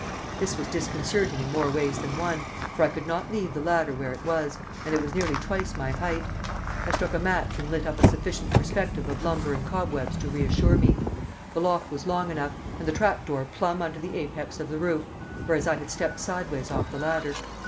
This was disconcerting in more ways than one, for I could not leave the ladder where it was, and it was nearly twice my height. I struck a match and lit up a sufficient perspective of lumber and cobwebs to reassure me. The loft was long enough, and the trap door plumb under the apex of the roof, whereas I had stepped sideways off the ladder.